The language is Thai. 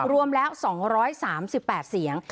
รวมแล้ว๒๓๘เสียง